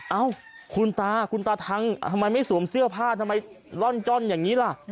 เอ้าคุณตาคุณตาทังทำไมไม่สวมเสื้อผ้าทำไมร่อนจ้อนอย่างนี้ล่ะ